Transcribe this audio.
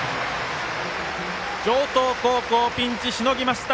城東高校、ピンチをしのぎました。